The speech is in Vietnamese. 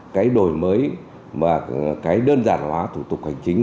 cái đổi mới và cái đơn giản hóa thủ tục hành chính